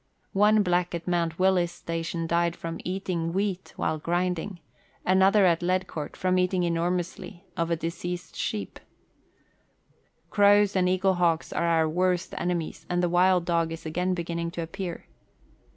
One black at Mt. Wills Station died from eating wheat while grinding ; another at Ledcourt, from eating enor mously of a diseased sheep. Crows and eaglehawks are our worst enemies, and the wild dog is again beginning to appear.